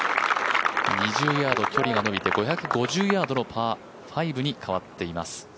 ２０ヤード、距離が延びて５５０ヤードのパー５に変わっています。